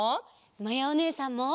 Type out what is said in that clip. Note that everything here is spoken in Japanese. まやおねえさんも。